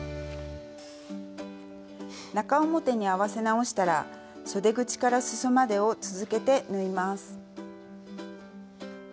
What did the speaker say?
中表に合わせ直したらそで口からすそまでを続けて縫います。